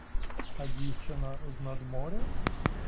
А дівчина з-над моря?